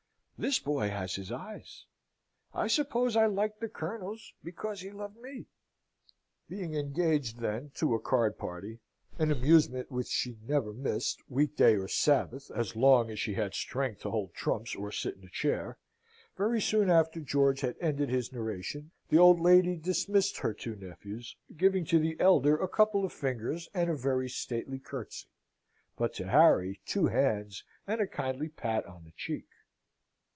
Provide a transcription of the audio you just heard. This boy has his eyes. I suppose I liked the Colonel's because he loved me." Being engaged, then, to a card party, an amusement which she never missed, week day or Sabbath, as long as she had strength to hold trumps or sit in a chair, very soon after George had ended his narration the old lady dismissed her two nephews, giving to the elder a couple of fingers and a very stately curtsey; but to Harry two hands and a kindly pat on the cheek.